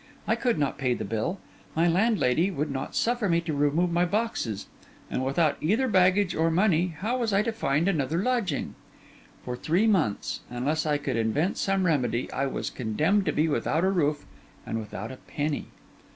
I could not pay the bill; my landlady would not suffer me to remove my boxes; and without either baggage or money, how was I to find another lodging? For three months, unless I could invent some remedy, I was condemned to be without a roof and without a penny.